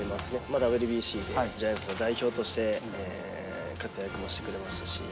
ＷＢＣでジャイアンツの代表として活躍もしてくれましたし。